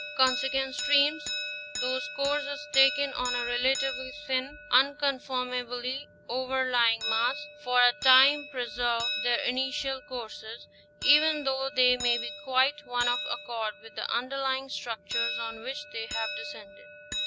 Consequent streams, whose course is taken on a relatively thin, unconformably overlying mass, for a time preserve their initial courses, even though they may be quite out of accord with the underlying structures on which they have descended.